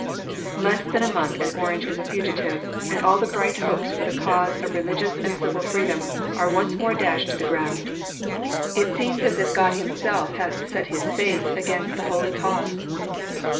Less than a month and Orange is a fugitive, and all the bright hopes for the cause of religious and civil freedom are once more dashed to the ground. It seems as if God Himself hath set His face against the holy cause!